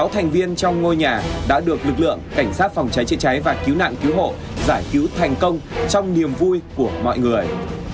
sáu thành viên trong ngôi nhà đã được lực lượng cảnh sát phòng cháy chữa cháy và cứu nạn cứu hộ giải cứu thành công trong niềm vui của mọi người